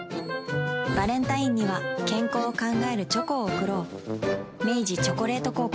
バレンタインには健康を考えるチョコを贈ろう明治「チョコレート効果」